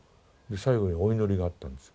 最後にお祈りがあったんです。